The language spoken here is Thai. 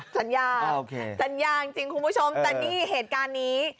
สัญญาสัญญาจริงคุณผู้ชมแต่นี่เหตุการณ์นี้